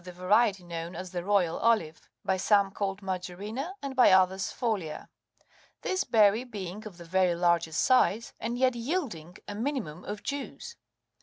283 the variety known as the royal olive, by some called majorina, and by others phaulia ;34 this berry being of the very largest size, and yet yielding a minimum of juice.